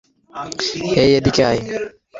হেই, এদিকে আয়!